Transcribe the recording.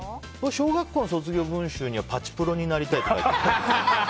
小学校の卒業文集にはパチプロになりたいって書いたね。